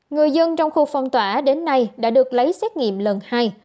người dân trong khu phong tỏa đến nay đã được lấy xét nghiệm lần hai